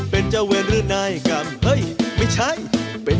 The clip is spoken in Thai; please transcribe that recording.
ไปแล้วไปให้ใกล้